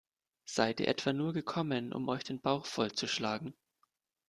Seid ihr etwa nur gekommen, um euch den Bauch voll zu schlagen?